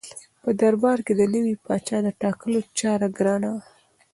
په دربار کې د نوي پاچا د ټاکلو چاره ګرانه وه.